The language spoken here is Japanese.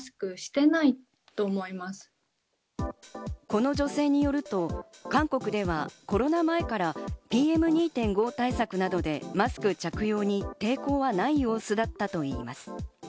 この女性によると、韓国ではコロナ前からＰＭ２．５対策などでマスク着用に抵抗はない様子だったといいます。